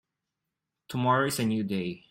Tomorrow is a new day.